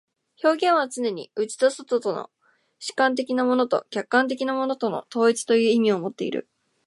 表現はつねに内と外との、主観的なものと客観的なものとの統一という意味をもっている。